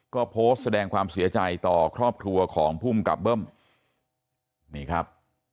ก็โพสต์แสดงความเสียใจต่อครอบครัวของภูมิกับเบิ้มนี่ครับ